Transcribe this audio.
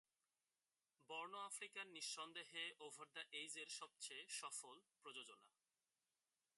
Born African নিঃসন্দেহে, over the age এর সবচেয়ে সফল প্রযোজনা।